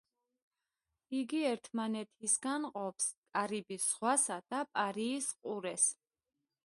იგი ერთმანეთისგან ყოფს კარიბის ზღვასა და პარიის ყურეს.